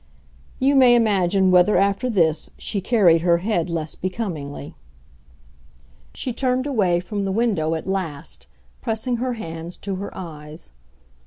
You may imagine whether, after this, she carried her head less becomingly. She turned away from the window at last, pressing her hands to her eyes.